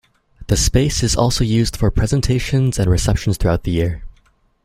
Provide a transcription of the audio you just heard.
The space is also used for presentations and receptions throughout the year.